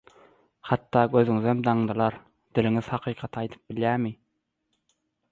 Hatda gözüňizem daňdylar, diliňiz hakykaty aýdyp bilýärmi?